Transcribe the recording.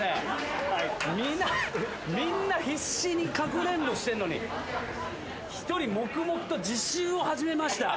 みんな必死にかくれんぼしてんのに１人黙々と自習を始めました。